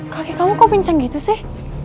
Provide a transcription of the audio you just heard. kaki kamu kok pincang gitu sih